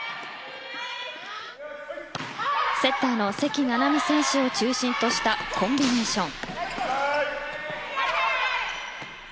セッターの関菜々巳選手を中心としたコンビネーション。